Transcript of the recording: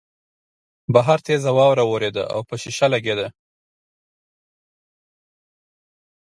بهر تېزه واوره ورېده او په شیشه لګېده